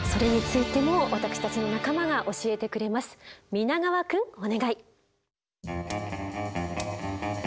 皆川くんお願い。